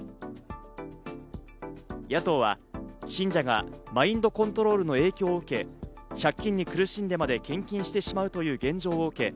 野党は信者がマインドコントロールの影響を受け、借金で苦しんでまで献金してしまうという現状を受け